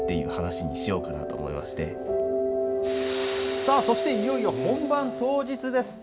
さあ、そしていよいよ本番当日です。